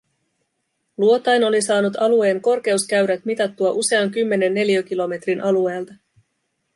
Luotain oli saanut alueen korkeuskäyrät mitattua usean kymmenen neliökilometrin alueelta.